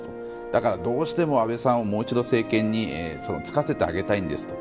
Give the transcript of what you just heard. だから、どうしても安倍さんをもう一度、政権に就かせてあげたいんですと。